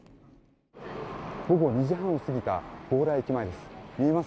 午後２時半を過ぎた強羅駅前です。